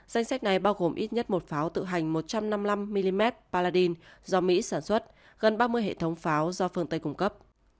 danh sách này bao gồm ít nhất một pháo tự hành một trăm năm mươi năm mm paladine do mỹ sản xuất gần ba mươi hệ thống pháo do phương tây cung cấp